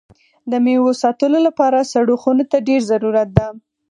د میوو ساتلو لپاره سړو خونو ته ډېر ضرورت ده.